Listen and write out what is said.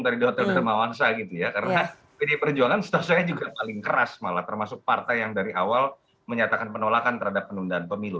karena ini perjuangan setosanya juga paling keras malah termasuk partai yang dari awal menyatakan penolakan terhadap penundaan pemilu